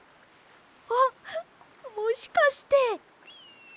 あっもしかして！